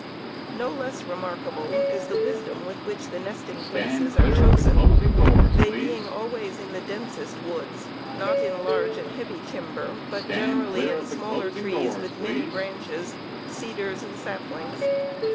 No less remarkable is the wisdom with which the nesting places are chosen, they being always in the densest woods, not in large and heavy timber, but generally in smaller trees with many branches, cedars, and saplings.